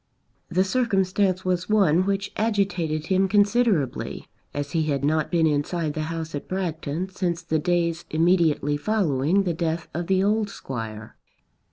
The circumstance was one which agitated him considerably, as he had not been inside the house at Bragton since the days immediately following the death of the old Squire.